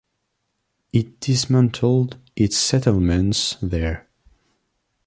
It dismantled its settlements there.